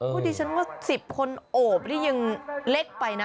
ดิฉันว่า๑๐คนโอบนี่ยังเล็กไปนะ